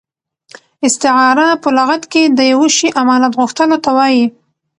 استعاره په لغت کښي د یوه شي امانت غوښتلو ته وايي.